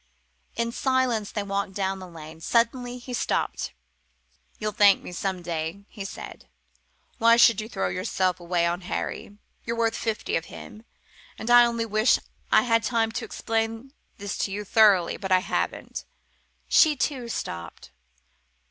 In silence they walked down the lane. Suddenly he stopped. "You'll thank me some day," he said. "Why should you throw yourself away on Harry? You're worth fifty of him. And I only wish I had time to explain this to you thoroughly, but I haven't!" She, too, had stopped.